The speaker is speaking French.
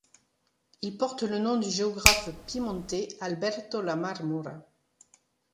Il porte le nom du géographe piémontais Alberto La Marmora.